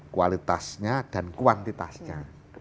kualitasnya dan kuantitasnya